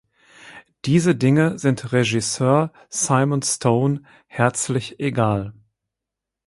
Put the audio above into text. Diese Dinge sind Regisseur Simon Stone herzlich egal.